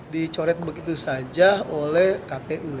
dicoret begitu saja oleh kpu